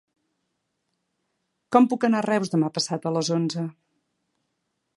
Com puc anar a Reus demà passat a les onze?